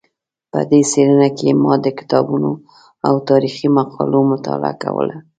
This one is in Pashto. په دې څېړنه کې ما د کتابونو او تاریخي مقالو مطالعه کوله.